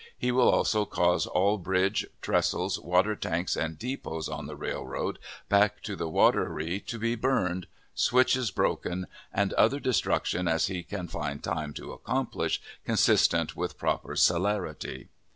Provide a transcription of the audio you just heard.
He will also cause all bridges, trestles, water tanks, and depots on the railroad back to the Wateree to be burned, switches broken, and such other destruction as he can find time to accomplish consistent with proper celerity.